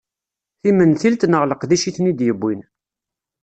Timentilt neɣ leqdic i ten-id-yewwin.